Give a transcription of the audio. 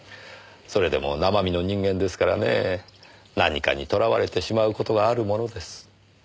それでも生身の人間ですからね何かにとらわれてしまう事があるものです。